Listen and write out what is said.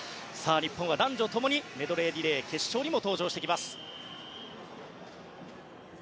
日本は男女ともにメドレーリレー決勝にも登場してきます。